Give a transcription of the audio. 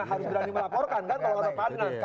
harus berani melaporkan